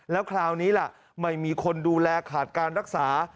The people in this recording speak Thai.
แล้วคราวนี้ล่ะไม่มีคนดูแลขาดการรักษา